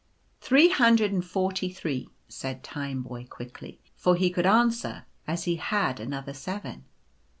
" Three hundred and forty three," said Tineboy, quickly; for he could answer as he had another Seven.